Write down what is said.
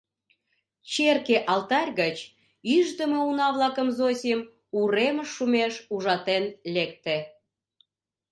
Черке алтарь гычУждымо уна-влакым Зосим уремыш шумеш ужатен лекте.